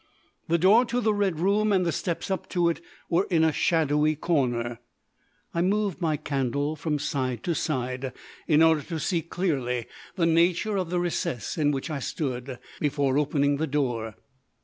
The door to the red room and the steps up to it were in a shadowy corner. I moved my candle from side to side, in order to see clearly the nature of the recess in which I stood before opening the door.